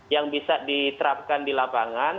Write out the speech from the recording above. yang bisa diterapkan di lapangan